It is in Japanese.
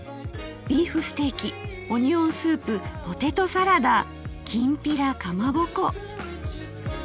「ビーフステーキオニオンスープポテトサラダきんぴらかまぼこ」